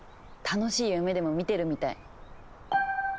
楽しい夢でも見てるみたい。